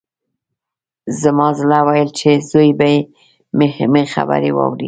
زما زړه ویل چې زوی به مې خبرې واوري